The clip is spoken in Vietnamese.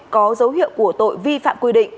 có dấu hiệu của tội vi phạm quy định